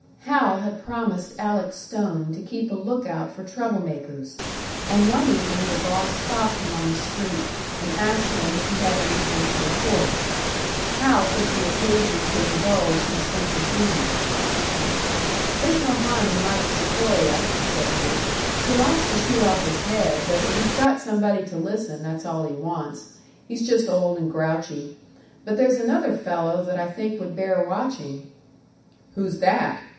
Hal had promised Alec Stone to keep a look out for trouble makers; and one evening the boss stopped him on the street, and asked him if he had anything to report. Hal took the occasion to indulge his sense of humour. "There's no harm in Mike Sikoria," said he. "He likes to shoot off his head, but if he's got somebody to listen, that's all he wants. He's just old and grouchy. But there's another fellow that I think would bear watching." "Who's that?"